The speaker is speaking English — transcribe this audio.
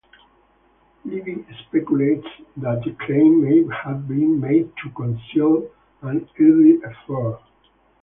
Livy speculates that the claim may have been made to conceal an earthly affair.